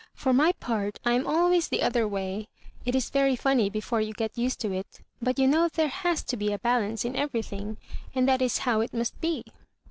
For my part, I am always the other way. It is very funny before you get used to it ; but you know there has to be a balance in every thing, and that is how it must be."